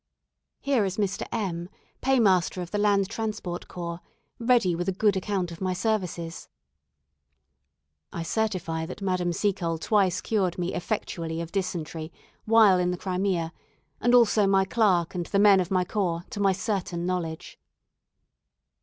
Here is Mr. M , paymaster of the Land Transport Corps, ready with a good account of my services: "I certify that Madame Seacole twice cured me effectually of dysentery while in the Crimea, and also my clerk and the men of my corps, to my certain knowledge."